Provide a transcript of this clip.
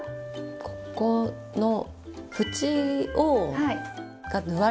ここの縁が縫われてる。